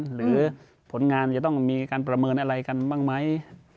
หรือผลงานจะต้องมีการประเมินอะไรกันบ้างไหม